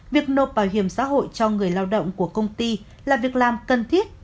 việc nộp bảo hiểm xã hội cho người lao động của công ty là việc làm cần thiết